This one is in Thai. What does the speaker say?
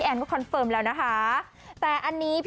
พี่แอนทองผสมเจ้าหญิงแห่งโมงการบันเทิงไทยวัยที่สุดค่ะ